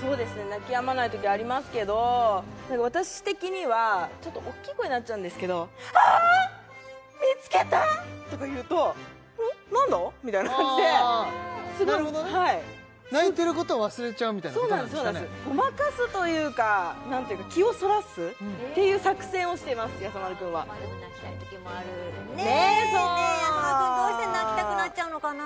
そうですね泣きやまないときありますけど私的にはちょっと大きい声になっちゃうんですけど「ああーっ見つけた！」とか言うと「うん？何だ？」みたいな感じでなるほどね泣いてることを忘れちゃうみたいなそうなんですそうなんですごまかすというか何というか気をそらすっていう作戦をしていますやさ丸くんはまあでも泣きたいときもあるねやさ丸くんどうして泣きたくなっちゃうのかな？